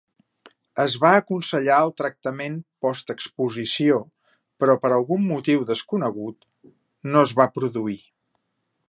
Es va aconsellar el tractament postexposició però per algun motiu desconegut, no es va produir.